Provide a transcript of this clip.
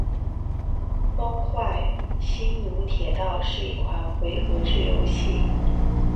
《崩坏：星穹铁道》是一款回合制游戏。